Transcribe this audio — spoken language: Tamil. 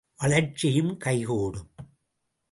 வளர்ச்சியும் கை கூடும்!